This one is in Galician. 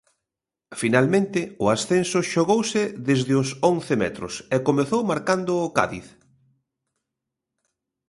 Finalmente, o ascenso xogouse desde os once metros, e comezou marcando o Cádiz.